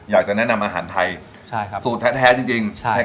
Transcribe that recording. อยากจะแนะนำอาหารไทยใช่ครับสูตรแท้จริง